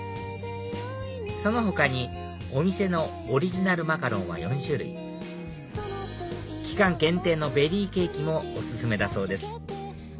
その他にお店のオリジナルマカロンは４種類期間限定のベリーケーキもお薦めだそうです